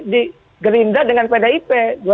di gerinda dengan pdip